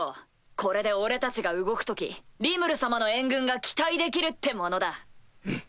これで俺たちが動く時リムル様の援軍が期待できるってものだ。